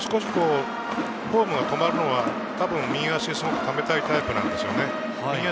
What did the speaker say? フォームが止まるのは右足をすごくためたいタイプなんですよね。